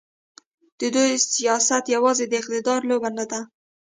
د دوی سیاست یوازې د اقتدار لوبه ده.